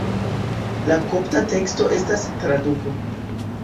La kopta teksto estas traduko.